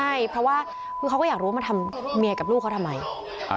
ใช่เพราะว่าคือเขาก็อยากรู้ว่ามาทำเมียกับลูกเขาทำไม